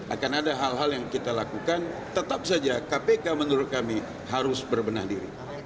akan ada hal hal yang kita lakukan tetap saja kpk menurut kami harus berbenah diri